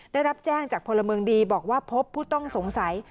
ได้รับแจ้งจากพลเมืองดีบอกว่าพบผู้ต้องสงสัย